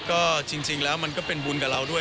ก็จริงแล้วมันก็เป็นบุญกับเราด้วย